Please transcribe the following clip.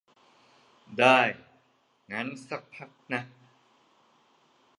ได้ งั้นซักพักนะ